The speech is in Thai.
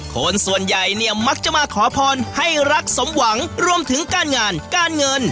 คนส่วนใหญ่เนี่ยมักจะมาขอพรให้รักสมหวังรวมถึงการงานการเงิน